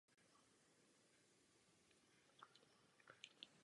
Výsledky poněkud zaostávají za očekáváními a jejich monitorování je nepřiměřené.